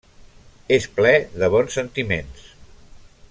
És ple de bons sentiments.